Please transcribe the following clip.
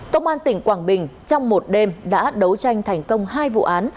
công an tỉnh quảng bình trong một đêm đã đấu tranh thành công hai vụ án